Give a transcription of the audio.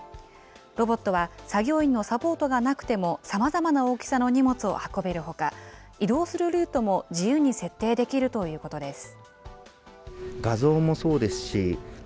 ロボットは作業員のサポートがなくてもさまざまな大きさの荷物を運べるほか、移動するルートも自由に設定できるということです。